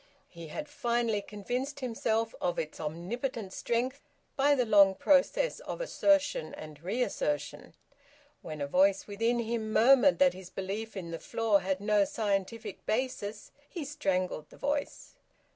He had finally convinced himself of its omnipotent strength by the long process of assertion and reassertion. When a voice within him murmured that his belief in the floor had no scientific basis, he strangled the voice.